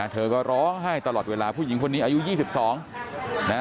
เธอก็ร้องไห้ตลอดเวลาผู้หญิงคนนี้อายุ๒๒นะ